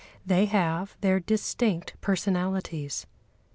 They have their distinct personalities.